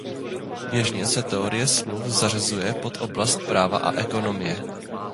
Běžně se teorie smluv zařazuje pod oblast práva a ekonomie.